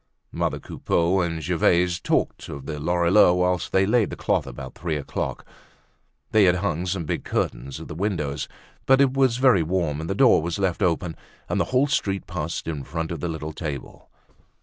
Mother Coupeau and Gervaise talked of the Lorilleuxs whilst they laid the cloth about three o'clock. They had hung some big curtains at the windows; but as it was very warm the door was left open and the whole street passed in front of the little table.